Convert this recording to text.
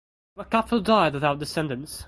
The couple died without descendants.